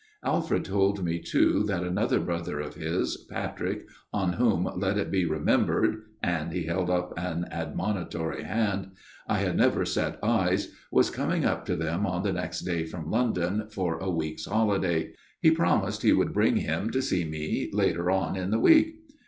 Alfred told me too that another brother of his, Patrick, on whom, let it be remembered " and he held up an admonitory hand " I had never set eyes, was coming up to them on the next day from London, for a week's holiday. He promised he would bring him to see me later on in the week.